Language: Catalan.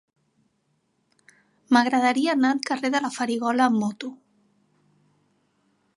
M'agradaria anar al carrer de la Farigola amb moto.